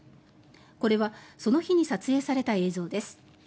これはその日に撮影された映像です。